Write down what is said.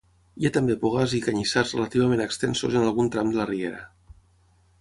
Hi ha també bogars i canyissars relativament extensos en algun tram de la riera.